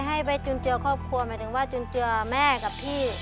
ให้ไปจุนเจือครอบครัวหมายถึงว่าจุนเจือแม่กับพี่